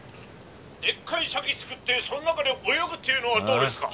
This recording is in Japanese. でっかい茶器つくってその中で泳ぐっていうのはどうですか？」。